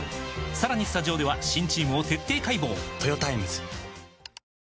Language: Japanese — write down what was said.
さらにスタジオでは新チームを徹底解剖！